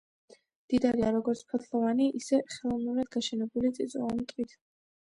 მდიდარია როგორც ფოთლოვანი, ისე ხელოვნურად გაშენებული წიწვოვანი ტყით.